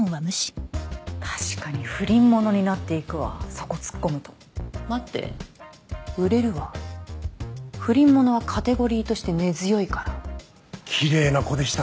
確かに不倫ものになっていくわそこ突っ込むと待って売れるわ不倫ものはカテゴリーとして根強いからきれいな子でした